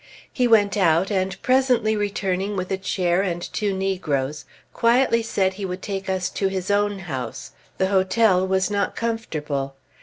He went out, and presently returning with a chair and two negroes, quietly said he would take us to his own house; the hotel was not comfortable.